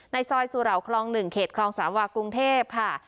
ซอยสุเหล่าคลอง๑เขตคลองสามวากรุงเทพค่ะ